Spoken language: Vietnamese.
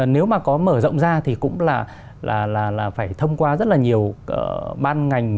nếu mà có mở rộng ra thì cũng là phải thông qua rất là nhiều ban ngành